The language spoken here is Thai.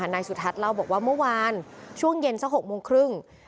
นายสุทัศน์เล่าบอกว่าเมื่อวานช่วงเย็นสัก๖โมงครึ่ง